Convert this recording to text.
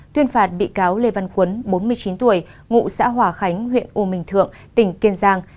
tuyên phạt bị cáo lê văn quấn bốn mươi chín tuổi ngụ xã hỏa khánh huyện u mình thượng tỉnh tiên giang